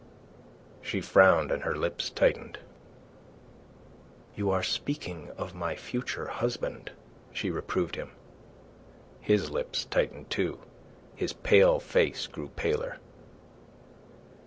She frowned, and her lips tightened. "You are speaking of my future husband," she reproved him. His lips tightened too; his pale face grew paler.